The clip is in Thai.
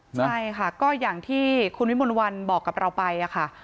ใช่ค่ะก็อย่างที่คุณวิมนต์วันบอกกับเราไปค่ะ